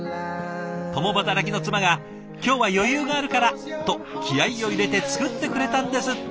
共働きの妻が「今日は余裕があるから」と気合いを入れて作ってくれたんですって。